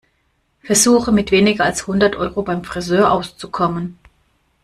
Versuche, mit weniger als hundert Euro beim Frisör auszukommen.